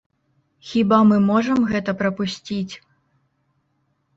Хіба мы можам гэта прапусціць?